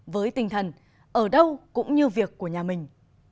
với tinh thần ở đâu cũng như việc của nhà mình